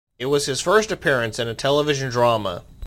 It was his first appearance in a television drama.